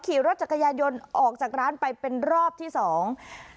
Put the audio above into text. ขี่รถจักรยานยนต์ออกจากร้านไปเป็นรอบที่สอง